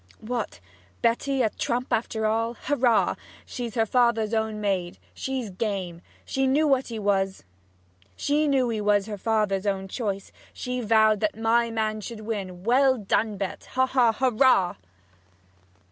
'What Betty a trump after all? Hurrah! She's her father's own maid! She's game! She knew he was her father's own choice! She vowed that my man should win! Well done, Bet! haw! haw! Hurrah!'